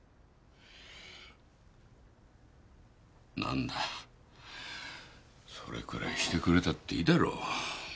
なんだよそれくらいしてくれたっていいだろ？